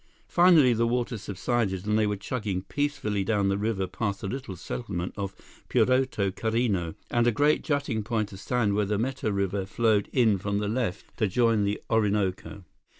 Finally, the water subsided, and they were chugging peacefully down the river past the little settlement of Puerto Carreno and a great jutting point of sand where the Meta River flowed in from the left to join the Orinoco.